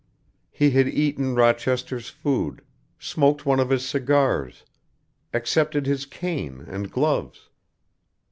He had eaten Rochester's food, smoked one of his cigars, accepted his cane and gloves.